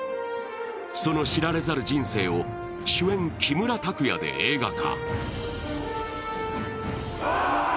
その知られざる人生を主演・木村拓哉で映画化。